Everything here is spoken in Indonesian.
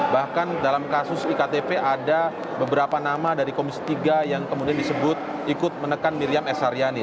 bahkan dalam kasus iktp ada beberapa nama dari komisi tiga yang kemudian disebut ikut menekan miriam s haryani